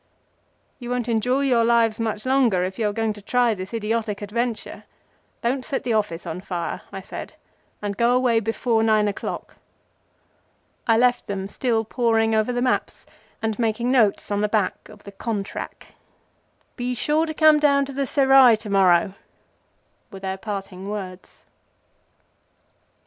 "You won't enjoy your lives much longer if you are going to try this idiotic adventure. Don't set the office on fire," I said, "and go away before nine o'clock." I left them still poring over the maps and making notes on the back of the "Contrack." "Be sure to come down to the Serai to morrow," were their parting words.